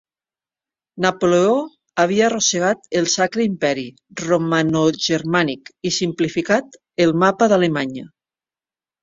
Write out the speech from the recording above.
Napoleó havia arrossegat el Sacre Imperi romanogermànic i simplificat el mapa d'Alemanya.